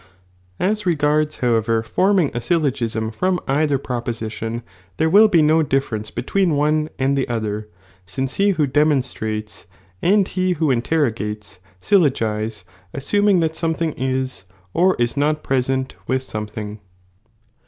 As regards however forming a ijllogiam from either proposition, there will he no difference I iMtweea one and the other, sioce he who demonstratea and H be who interrogates sjllogize, assum ing that iio«H4faing is«s | is not jJT^ent with something.